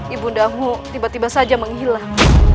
ibu dinda mau tiba tiba saja menghilang